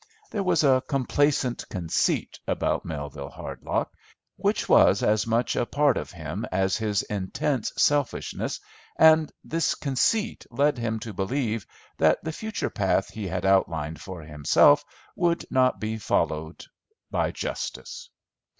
There was a complacent conceit about Melville Hardlock, which was as much a part of him as his intense selfishness, and this conceit led him to believe that the future path he had outlined for himself would not be followed by justice.